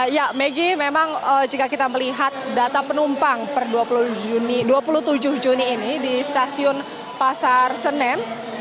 ya megi memang jika kita melihat data penumpang per dua puluh tujuh juni ini di stasiun pasar senen